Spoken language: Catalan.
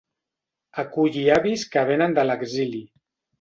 Aculli avis que venen de l'exili.